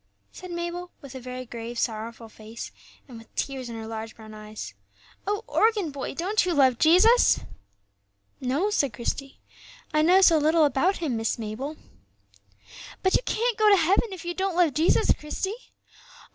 said Mabel, with a very grave, sorrowful face, and with tears in her large brown eyes, "Oh, organ boy, don't you love Jesus?" "No," said Christie; "I know so little about Him, Miss Mabel." "But you can't go to heaven if you don't love Jesus, Christie. Oh!